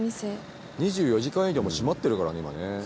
２４時間営業も閉まってるからね今ね。